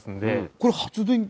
これ発電機？